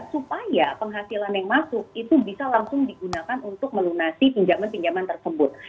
supaya penghasilan yang masuk itu bisa langsung digunakan untuk melunasi pinjaman pinjaman tersebut